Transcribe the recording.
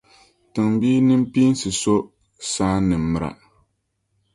Tiŋbia nimpiinsi so saan’ nimmira.